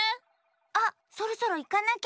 あっそろそろいかなきゃ。